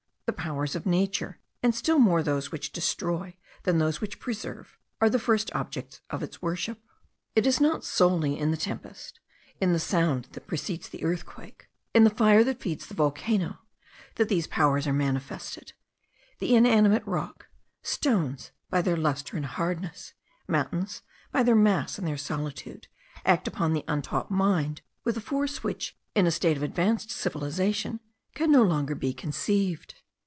The powers of nature, and still more those which destroy than those which preserve, are the first objects of its worship. It is not solely in the tempest, in the sound that precedes the earthquake, in the fire that feeds the volcano, that these powers are manifested; the inanimate rock; stones, by their lustre and hardness; mountains, by their mass and their solitude; act upon the untaught mind with a force which, in a state of advanced civilization, can no longer be conceived.